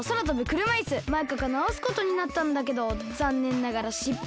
マイカがなおすことになったんだけどざんねんながらしっぱい。